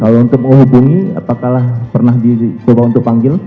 tidak ada yang menghubungi apakah pernah di coba untuk panggil